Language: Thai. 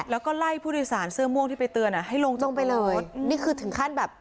แล้วก็ไล่ผู้โดยสารเสื้อม่วงที่ไปเตือนอ่ะให้ลงจ้องไปเลยนี่คือถึงขั้นแบบ